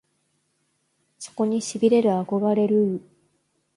そこに痺れる憧れるぅ！！